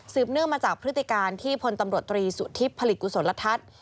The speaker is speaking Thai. เนื่องมาจากพฤติการที่พลตำรวจตรีสุธิผลิตกุศลทัศน์